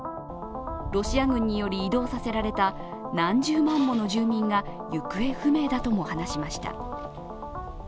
ロシア軍により移動させられた何十万もの住民が行方不明だとも話しました。